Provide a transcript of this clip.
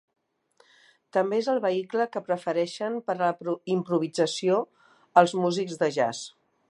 També és el vehicle que prefereixen per a la improvisació els músics de jazz.